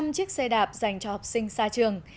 một trăm linh chiếc xe đạp dành cho học sinh xa trường